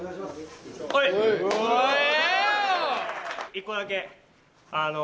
１個だけ。